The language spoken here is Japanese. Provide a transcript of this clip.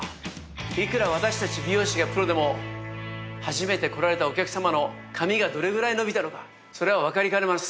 いくら私たち美容師がプロでも初めて来られたお客さまの髪がどれぐらい伸びたのかそれは分かりかねます。